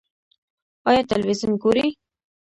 ایا تلویزیون ګورئ؟